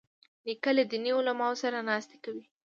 نیکه له دیني علماوو سره ناستې کوي.